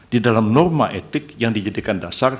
di dalam norma etik yang dijadikan dasar